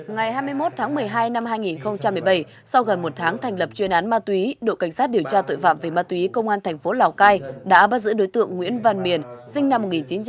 ngày hai mươi một tháng một mươi hai năm hai nghìn một mươi bảy sau gần một tháng thành lập chuyên án ma túy đội cảnh sát điều tra tội phạm về ma túy công an thành phố lào cai đã bắt giữ đối tượng nguyễn văn miền sinh năm một nghìn chín trăm tám mươi